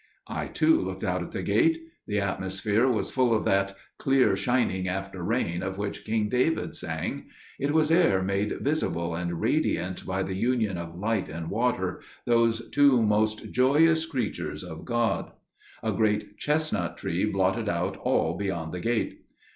I too looked out at the gate. The atmosphere was full of that "clear shining after rain" of which King David sang––it was air made visible and radiant by the union of light and water, those two most joyous creatures of God. A great chestnut tree blotted out all beyond the gate.